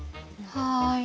はい。